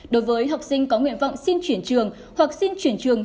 đối với học sinh có nguyện vọng xin chuyển trường hoặc xin chuyển trường